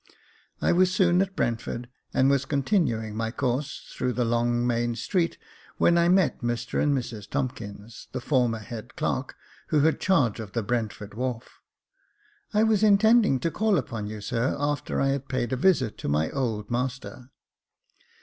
I was soon at Brentford, and was continuing my course through the long, main street, when I met Mr and Mrs Tomkins, the former head clerk, who had charge of the Brentford Wharf. " I was intending to call upon you, sir, after I had paid a visit to my old master."